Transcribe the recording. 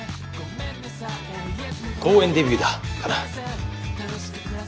公園デビューだカナ。